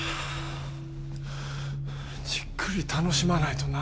じっくり楽しまないとな。